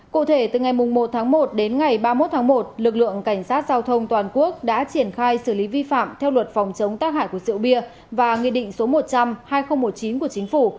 cụ thể từ ngày một tháng một đến ngày ba mươi một tháng một lực lượng cảnh sát giao thông toàn quốc đã triển khai xử lý vi phạm theo luật phòng chống tác hại của rượu bia và nghị định số một trăm linh hai nghìn một mươi chín của chính phủ